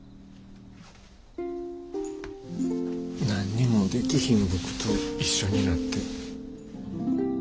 何にもできひん僕と一緒になって。